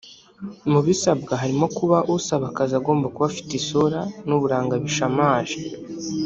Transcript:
mu bisabwa harimo ko usaba akazi agomba kuba afite isura n’uburanga bishamaje